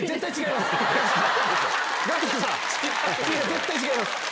絶対違います！